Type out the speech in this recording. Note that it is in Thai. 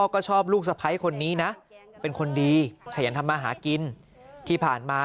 ก็ชอบลูกสะพ้ายคนนี้นะเป็นคนดีขยันทำมาหากินที่ผ่านมา